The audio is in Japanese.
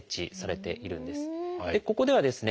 ここではですね